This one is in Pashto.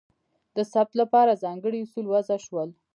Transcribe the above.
د ثبت لپاره ځانګړي اصول وضع شول.